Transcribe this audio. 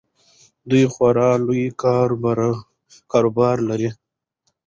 دوی خورا لوی کاروبار لري.